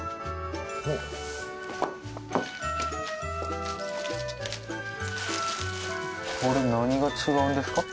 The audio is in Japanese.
ほうこれ何が違うんですか？